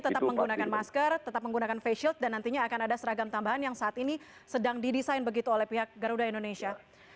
tetap menggunakan masker tetap menggunakan face shield dan nantinya akan ada seragam tambahan yang saat ini sedang didesain begitu oleh pihak garuda indonesia